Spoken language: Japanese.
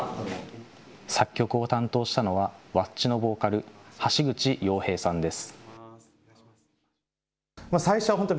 作曲を担当したのは、ｗａｃｃｉのボーカル、橋口洋平さんです。